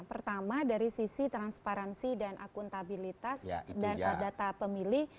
pertama dari sisi transparansi dan akuntabilitas dan data pemilih